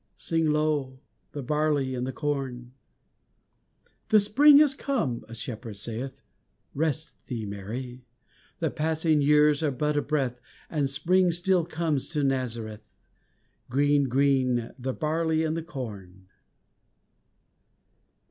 Sing low, the barley and the corn! ..... "The Spring is come!" a shepherd saith; Rest thee, Mary The passing years are but a breath And Spring still comes to Nazareth Green, green, the barley and the corn!